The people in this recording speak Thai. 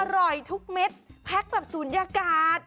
อร่อยทุกเม็ดแพ็คแบบศูนยากาศ